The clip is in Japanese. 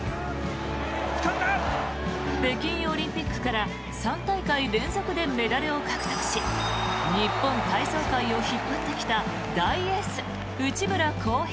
北京オリンピックから３大会連続でメダルを獲得し日本体操界を引っ張ってきた大エース、内村航平。